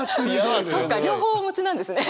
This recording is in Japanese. そっか両方お持ちなんですね。